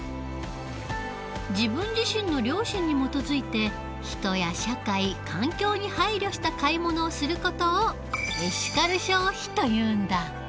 自分自身の良心に基づいて人や社会環境に配慮した買い物をする事をエシカル消費というんだ。